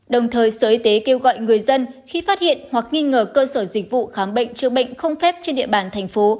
đồng thời sở y tế kêu gọi người dân khi phát hiện hoặc nghi ngờ cơ sở dịch vụ khám bệnh chữa bệnh không phép trên địa bàn thành phố